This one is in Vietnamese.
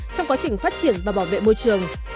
trong quá trình phát triển và bảo vệ môi trường